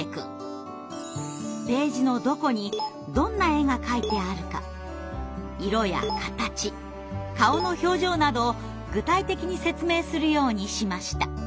ページのどこにどんな絵が描いてあるか色や形顔の表情などを具体的に説明するようにしました。